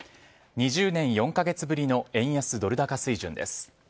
２０年４か月ぶりの円安ドル高水準です。